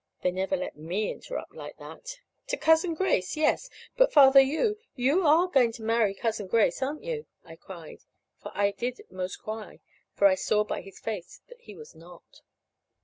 (They never let me interrupt like that!) "To Cousin Grace yes. But, Father, you you are going to marry Cousin Grace, aren't you?" I cried and I did 'most cry, for I saw by his face that he was not.